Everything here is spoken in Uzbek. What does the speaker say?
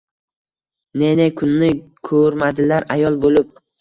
Ne ne kunni kurmadilar ayol bulib